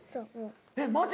えっマジ